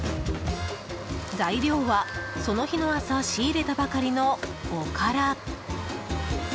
材料は、その日の朝仕入れたばかりのおから。